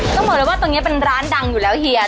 ต้องบอกเลยว่าตรงนี้เป็นร้านดังอยู่แล้วเฮีย